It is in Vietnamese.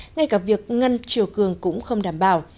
ngay cả việc ngăn triều cường cũng không đảm bảo